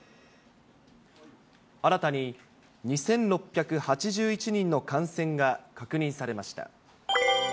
新たに２６８１人の感染が確認されました。